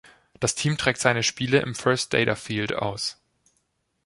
Das Team trägt seine Spiele im First Data Field aus.